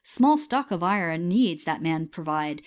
Small stock of iron needs that man provide